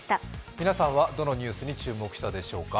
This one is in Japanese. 皆さんはどのニュースに注目したでしょうか。